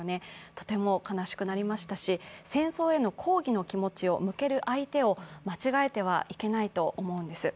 とても悲しくなりましたし、戦争への抗議の声を向ける相手を間違えてはいけないと思うんです。